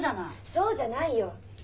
そうじゃないよ！